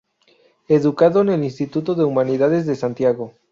Educado en el Instituto de Humanidades de Santiago.